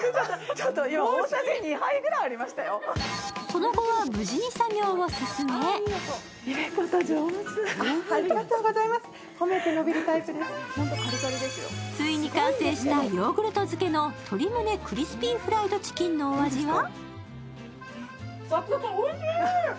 その後は、無事に作業を進めついに完成した、ヨーグルト漬けの鶏むね肉クリスピーフライドチキンのお味は？